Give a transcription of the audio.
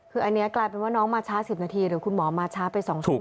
คืออันนี้กลายเป็นว่าน้องมาช้า๑๐นาทีหรือคุณหมอมาช้าไป๒ชั่วโมง